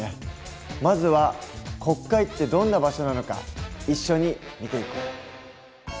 まずは国会ってどんな場所なのか一緒に見ていこう。